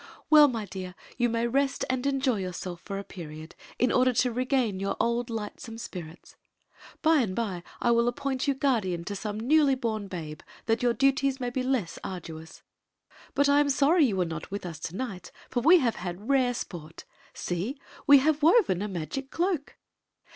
" Well, my dear, you may rest and enjoy yourself for a period, in order to r^;ain your old lightscnne spirits. By and by I will appoint you guardian to some newly born babe, that your duties may be less arduous. But I ?*m sorry you were not with us to night, for we have had rare ^rt See ! we have woven a magic cloak."